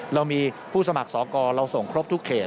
เรามีผู้สมัครสอกรเราส่งครบทุกเขต